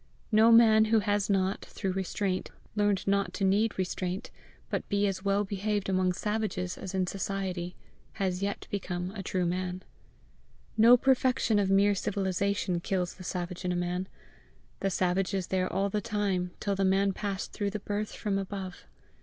No man who has not, through restraint, learned not to need restraint, but be as well behaved among savages as in society, has yet become a true man. No perfection of mere civilization kills the savage in a man: the savage is there all the time till the man pass through the birth from above.